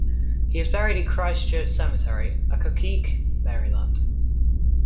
He is buried in Christ Church Cemetery, Accokeek, Maryland.